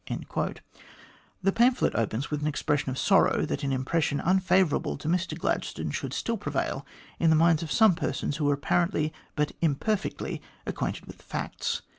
The pamphlet opens with an expression of sorrow that an impression unfavourable to Mr Gladstone should still prevail in the minds of some persons who were apparently but im perfectly acquainted with the facts.